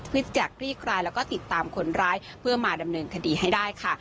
เพื่อจะคลี่คลายแล้วก็ติดตามคนร้ายเพื่อมาดำเนินคดีให้ได้ค่ะ